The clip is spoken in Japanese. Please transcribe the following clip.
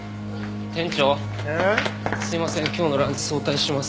店長すいません今日のランチ早退します。